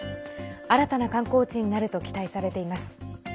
新たな観光地になると期待されています。